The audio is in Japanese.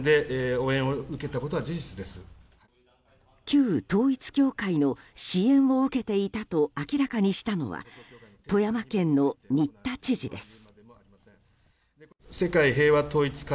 旧統一教会の支援を受けていたと明らかにしたのは富山県の新田知事です。